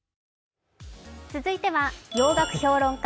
続いては洋楽評論家